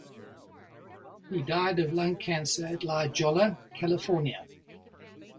He died of lung cancer in La Jolla, California.